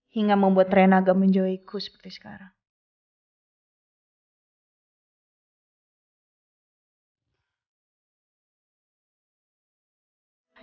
hingga membuat rena agak menjauhiku seperti sekarang